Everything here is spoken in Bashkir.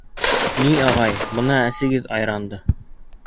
— Ни, ағай, бына әсегеҙ айранды...